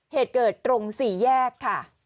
เหตุเกิดตรงสี่แยกค่ะ